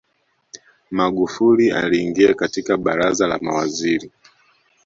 magufuli aliingia katika baraza la mawaziri